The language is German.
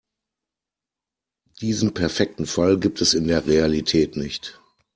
Diesen perfekten Fall gibt es in der Realität nicht.